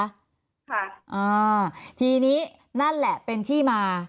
ค่ะอ่าทีนี้นั่นแหละเป็นที่มา